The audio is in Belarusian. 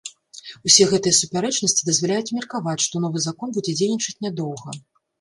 Усе гэтыя супярэчнасці дазваляюць меркаваць, што новы закон будзе дзейнічаць нядоўга.